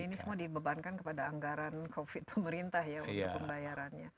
ini semua dibebankan kepada anggaran covid pemerintah ya